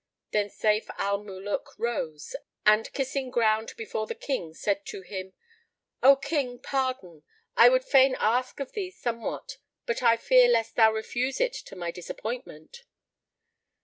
Then Sayf al Muluk rose and, kissing ground before the King, said to him, "O King, pardon! I would fain ask of thee somewhat but I fear lest thou refuse it to my disappointment."